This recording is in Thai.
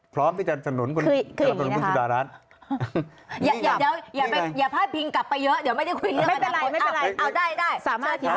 พร้อมที่จะสนุนสุธารัฐ